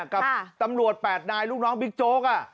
กับตำรวจ๘นายลูกน้องบิ๊กโจ๊ก